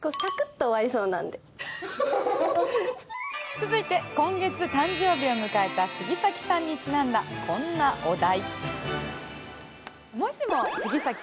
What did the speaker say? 続いて、今月誕生日を迎えた杉咲さんにちなんだこんなお題。